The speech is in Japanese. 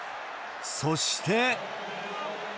そして。